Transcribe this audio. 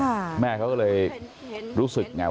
คือแม่เขาก็แรงแค่ความเห็นที่ให้จิปั๊บ